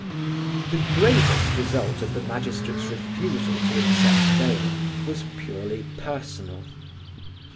The gravest result of the magistrate's refusal to accept bail was purely personal.